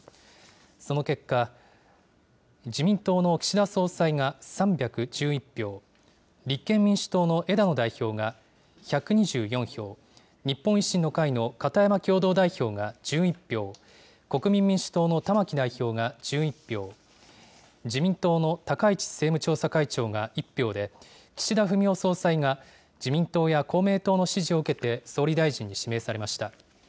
その結果、自民党の岸田総裁が３１１票、立憲民主党の枝野代表が１２４票、日本維新の会の片山共同代表が１１票、国民民主党の玉木代表が１１票、自民党の高市政務調査会長が１票で、岸田文雄総裁が、自民党や公明党の支持を受けて総理大臣に指名されました。